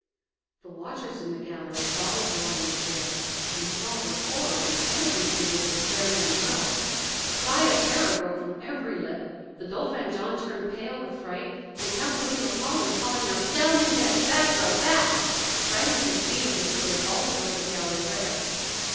The watchers in the gallery followed the lion's stare, and saw, with horror, the advancing figure of this fair young girl. A cry of terror broke from every lip. The Dauphin John turned pale with fright, and Count William of Holland, calling out, "Down, Ajax! back, girl, back!" sprang to his feet as if he would have vaulted over the gallery rail.